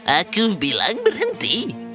aku bilang berhenti